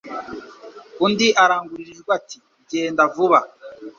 undi arangurura ijwi ati Genda vuba